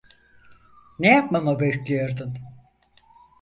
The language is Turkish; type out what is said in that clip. Ne yapmamı bekliyordun?